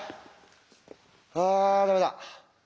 あダメだ。